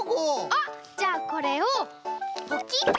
あっじゃあこれをポキッ！